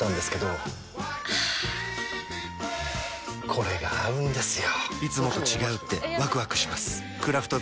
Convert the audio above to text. これが合うんですよ！